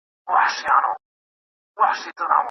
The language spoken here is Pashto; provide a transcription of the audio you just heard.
ـــــــــــــــــــــــــــــــــــــــــــــــــــــ